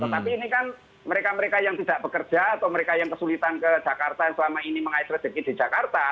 tetapi ini kan mereka mereka yang tidak bekerja atau mereka yang kesulitan ke jakarta yang selama ini mengais rejeki di jakarta